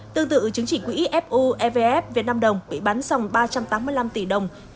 tương tự chứng chỉ quỹ fu evf việt nam đồng bị bắn dòng ba trăm tám mươi năm tỷ đồng